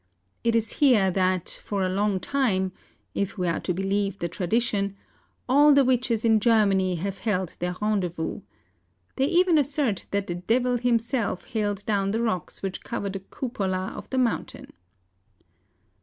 It is here that, for a long time, if we are to believe the tradition, all the witches in Grermany have held their rendezvous. They even assert that the devil himself hailed down the rocks \Yhich cover the cupola of the mountain.